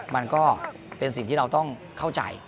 มันก็เป็นสิ่งที่เราต้องเข้าใจ